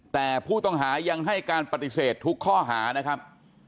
แต่ผู้ต้องหายังให้การปฏิเสธทุกข้อหานะครับ